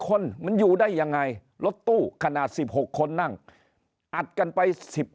คนมันอยู่ได้ยังไงรถตู้ขนาด๑๖คนนั่งอัดกันไป๑๐